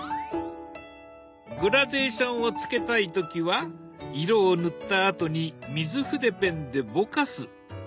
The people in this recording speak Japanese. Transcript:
グラデーションをつけたい時は色を塗ったあとに水筆ペンでぼかす。